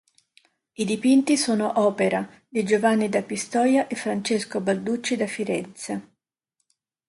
I dipinti sono opera di Giovanni da Pistoia e Francesco Balducci da Firenze.